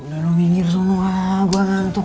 udah lo minggir semua gue ngantuk